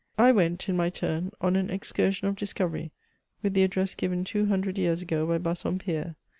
I went, in my turn, on an excursion of discovery, with the address given two hundred years ago by Bassompierre.